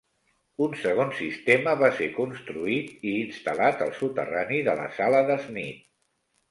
Un segon sistema va ser construït i instal·lat al soterrani de la sala de Sneed.